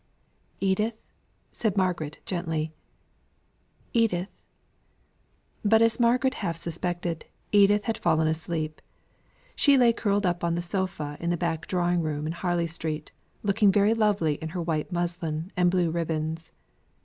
"Edith!" said Margaret, gently, "Edith!" But as Margaret half suspected, Edith had fallen asleep. She lay curled up on the sofa in the back drawing room in Harley Street looking very lovely in her white muslin and blue ribbons.